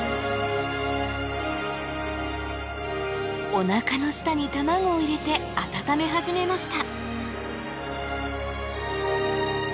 おなかの下に卵を入れて温め始めました